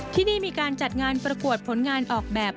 ที่นี่มีการจัดงานประกวดผลงานออกแบบ